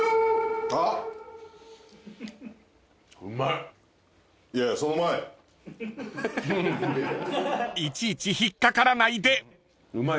［いちいち引っ掛からないで！］